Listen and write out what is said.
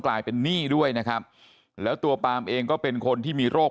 กลายเป็นหนี้ด้วยนะครับแล้วตัวปามเองก็เป็นคนที่มีโรค